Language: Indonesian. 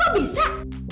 hah kok bisa